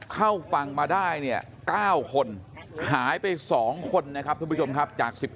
เข้าฝั่งมาได้เนี่ย๙คนหายไป๒คนนะครับทุกผู้ชมครับจาก๑๘